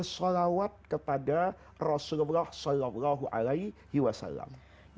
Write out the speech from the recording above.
kalau pada saat ini havenu dhi kennah